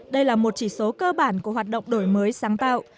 đây là một chỉ số cơ bản của hoạt động đổi mới sáng tạo